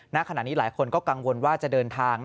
ณขณะนี้หลายคนก็กังวลว่าจะเดินทาง